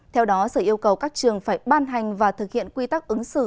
theo đó sở yêu cầu các trường phải ban hành và thực hiện quy tắc ứng xử